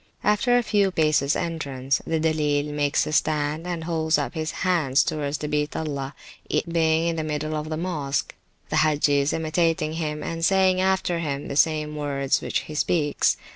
After a few paces entrance, the Dilleel makes a stand, and holds up his hands towards the Beat Allah (it being in the middle of the Mosque), the Hagges imitating him, and saying after him the same words which he speaks.